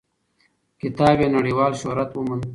کتاب یې نړیوال شهرت وموند.